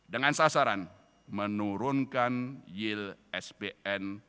dengan sasaran menurunkan yield spn